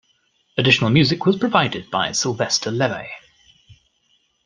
Additional music was provided by Sylvester Levay.